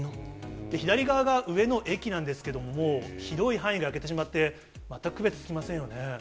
左側が上野駅なんですけども、もう広い範囲で焼けてしまって、全く区別つきませんよね。